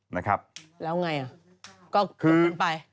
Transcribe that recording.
นะครับแล้วไงอ่ะก็จบตอนไป